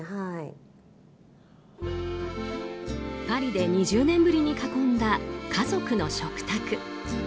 パリで２０年ぶりに囲んだ家族の食卓。